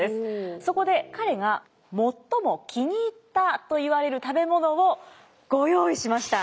そこで彼が最も気に入ったといわれる食べ物をご用意しました。